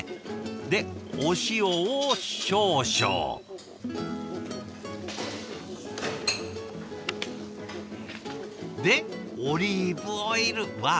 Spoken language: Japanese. でお塩を少々。でオリーブオイルわあ